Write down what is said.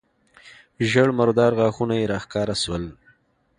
ژېړ مردار غاښونه يې راښکاره سول.